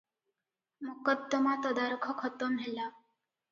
ମକଦ୍ଦମା ତଦାରଖ ଖତମ ହେଲା ।